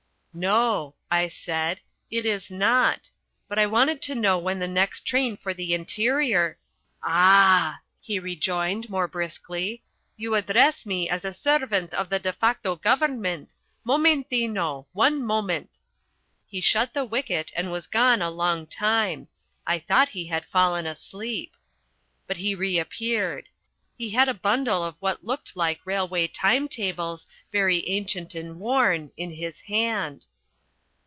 "No," I said, "it is not. But I wanted to know when the next train for the interior " "Ah!" he rejoined more briskly. "You address me as a servant of the de facto government. Momentino! One moment!" He shut the wicket and was gone a long time. I thought he had fallen asleep. But he reappeared. He had a bundle of what looked like railway time tables, very ancient and worn, in his hand.